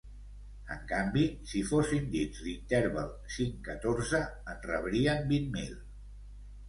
En canvi, si fossin dins l’interval cinc-catorze, en rebrien vint mil.